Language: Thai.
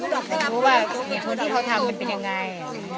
แต่รู้ว่าคนที่เขาทำเป็นยังไง